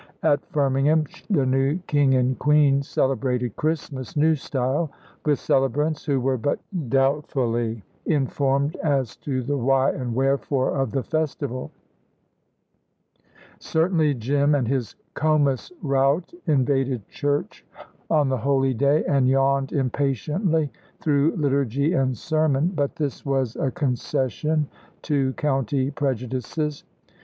At Firmingham the new king and queen celebrated Christmas, new style, with celebrants who were but doubtfully informed as to the why and wherefore of the festival. Certainly, Jim and his Comus rout invaded church on the holy day, and yawned impatiently through liturgy and sermon; but this was a concession to county prejudices.